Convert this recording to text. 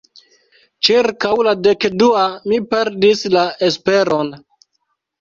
Ĉirkaŭ la dek-dua, mi perdis la esperon.